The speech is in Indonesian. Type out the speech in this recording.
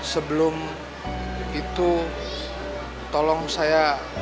sebelum itu tolong saya